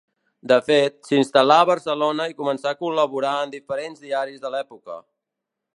De fet, s'instal·là a Barcelona i començà a col·laborar en diferents diaris de l'època.